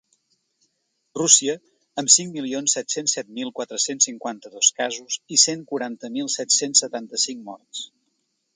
Rússia, amb cinc milions set-cents set mil quatre-cents cinquanta-dos casos i cent quaranta mil set-cents setanta-cinc morts.